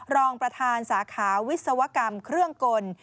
รองประธานสาขาวิศวกรรมเครื่องกล